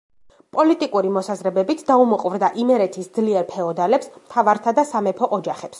პოლიტიკური მოსაზრებებით დაუმოყვრდა იმერეთის ძლიერ ფეოდალებს, მთავართა და სამეფო ოჯახებს.